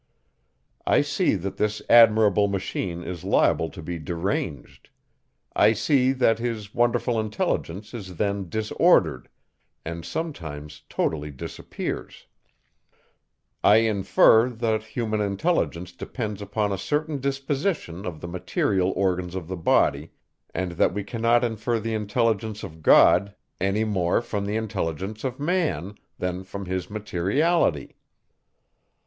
I see that this admirable machine is liable to be deranged; I see, that his wonderful intelligence is then disordered, and sometimes totally disappears; I infer, that human intelligence depends upon a certain disposition of the material organs of the body, and that we cannot infer the intelligence of God, any more from the intelligence of man, than from his materiality.